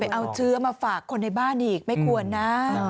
เอาเชื้อมาฝากคนในบ้านอีกไม่ควรนะ